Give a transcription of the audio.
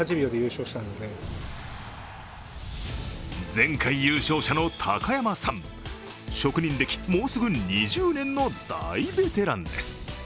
前回優勝者の高山さん、職人歴もうすぐ２０年の大ベテランです。